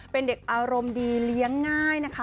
เป็นเด็กอารมณ์ดีเลี้ยงง่ายนะคะ